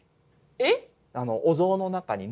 えっ？